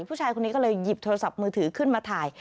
ผู้ชายคนนี้ก็เลยหยิบโทรศัพท์มือถือขึ้นมาถ่าย